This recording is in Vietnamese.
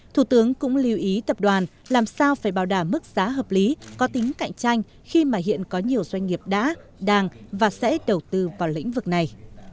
thủ tướng cũng lưu ý tập đoàn làm sao phải bảo đảm mức giá hợp lý có tính cạnh tranh khi mà hiện có nhiều doanh nghiệp đã đang và sẽ đầu tư vào lĩnh vực này